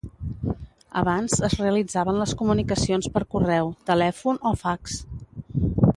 Abans es realitzaven les comunicacions per correu, telèfon o fax.